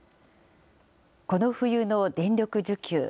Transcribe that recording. この冬の電力需給。